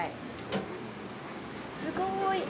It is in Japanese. すごい。